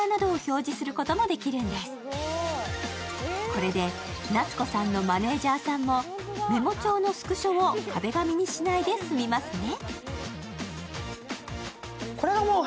これで夏子さんのマネージャーさんもメモ帳のスクショを壁紙にしないで済みますね。